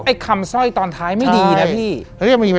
ไอ้คำซ่อยตอนท้ายไม่ดีนะพี่